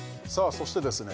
そしてですね